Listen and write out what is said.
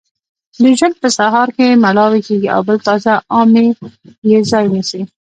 د ژوند په سهار کې مړاوې کیږي او بل تازه عامل یې ځای نیسي.